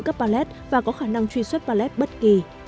các pallet và có khả năng truy xuất pallet bất kỳ